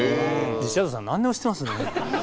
リチャードさん何でも知ってますね。